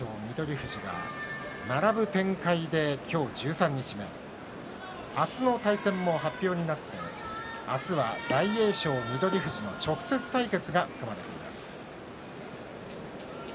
富士が並ぶ展開で今日、十三日目明日の対戦も発表になって明日は大栄翔と翠富士の直接対決が組まれています。